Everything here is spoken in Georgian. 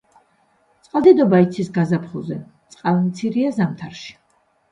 წყალდიდობა იცის გაზაფხულზე, წყალმცირეა ზამთარში.